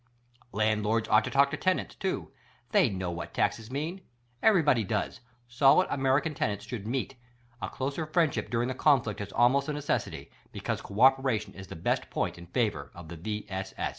Landlords ought to talk to tenants, too — they know what taxes mean. Ever^^body does. Solid American tenants should meet; a closer friendship dur ing the confiict is an almost necessity; because co operation is the best point in favor of the V.